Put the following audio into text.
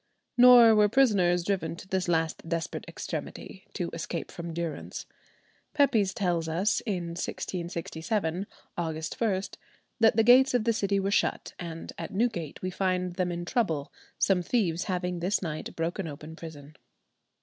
Nor were prisoners driven to this last desperate extremity to escape from durance. Pepys tells us in 1667, August 1, that the gates of the city were shut, "and at Newgate we find them in trouble, some thieves having this night broken open prison."